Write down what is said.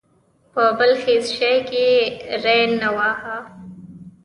په بل هېڅ شي کې یې ری نه واهه.